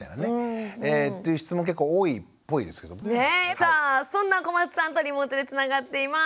さあそんな小松さんとリモートでつながっています。